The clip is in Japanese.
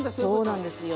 そうなんですよ。